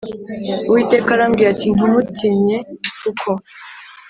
Uwiteka arambwira ati Ntumutinye kuko